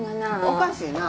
おかしいな。